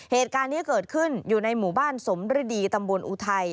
เหตุการณ์นี้เกิดขึ้นอยู่ในหมู่บ้านสมฤดีตำบลอุทัย